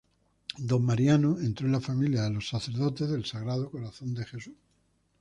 D. Mariano entró en la familia de los Sacerdotes del Sagrado Corazón de Jesús.